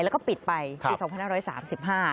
แล้วก็ปิดไปปี๒๕๓๕